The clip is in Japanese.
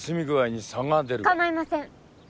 構いません。